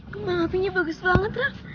kemang hatinya bagus banget rah